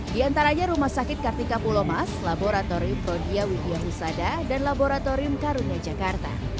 di antaranya rumah sakit kartika pulomas laboratorium prodia widya husada dan laboratorium karunia jakarta